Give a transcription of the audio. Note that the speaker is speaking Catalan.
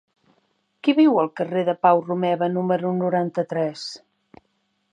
Qui viu al carrer de Pau Romeva número noranta-tres?